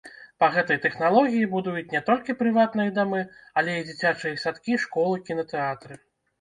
Па гэтай тэхналогіі будуюць не толькі прыватныя дамы, але і дзіцячыя садкі, школы, кінатэатры.